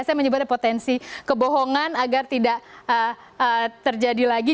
saya menyebutnya potensi kebohongan agar tidak terjadi lagi